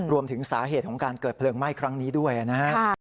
รวมถึงสาเหตุของการเกิดเพลิงไหม้ครั้งนี้ด้วยนะครับ